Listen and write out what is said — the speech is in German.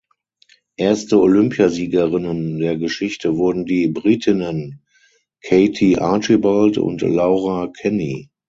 Erste Olympiasiegerinnen der Geschichte wurden die Britinnen Katie Archibald und Laura Kenny.